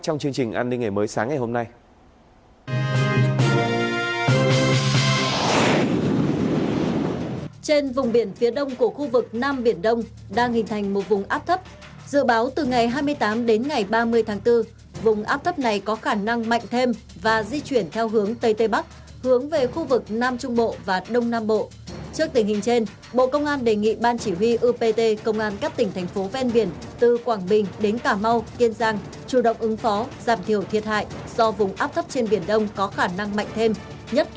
trong chương trình an ninh ngày mới sáng ngày hôm nay